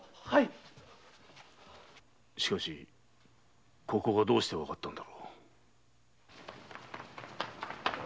しかしここがどうしてわかったのか？